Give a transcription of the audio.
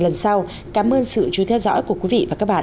lần sau cảm ơn sự chú ý theo dõi của quý vị và các bạn